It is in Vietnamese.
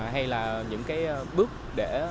hay là những bước để